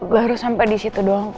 baru sampai disitu doang